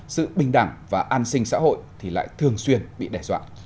sự bình đẳng và an sinh xã hội thì lại thường xuyên bị đe dọa